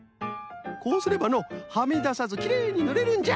こうすればのはみださずきれいにぬれるんじゃ。